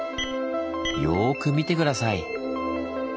よく見て下さい。